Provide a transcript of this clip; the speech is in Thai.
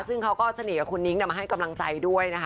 ซึ่งเขาก็สนิทกับคุณนิ้งมาให้กำลังใจด้วยนะคะ